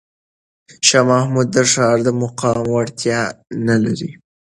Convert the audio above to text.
شاه محمود د ښار د مقاومت وړتیا نه لري.